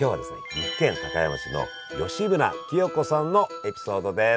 岐阜県高山市の吉村清子さんのエピソードです。